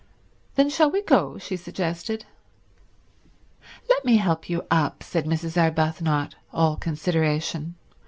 "Then shall we go?" she suggested. "Let me help you up," said Mrs. Arbuthnot, all consideration.